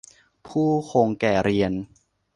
ผู้คงแก่เรียน